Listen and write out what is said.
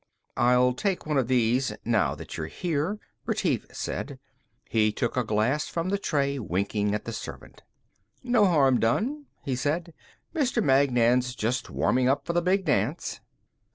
"I'll take one of these, now that you're here," Retief said. He took a glass from the tray, winking at the servant. "No harm done," he said. "Mr. Magnan's just warming up for the big dance."